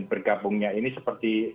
bergabungnya ini seperti